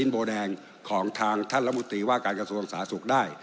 โบแดงของทางท่านรัฐมนตรีว่าการกระทรวงสาธารณสุขได้